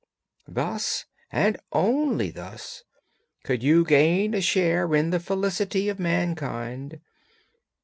Thus, and only thus, could you gain a share in the felicity of mankind.